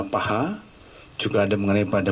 paha juga ada mengenai pada